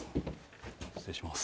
失礼します